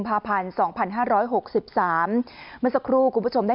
และสำเร็จพระนางเจ้าพระบรมราชินี